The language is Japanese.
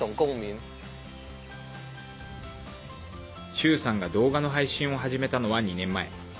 周さんが動画の配信を始めたのは２年前。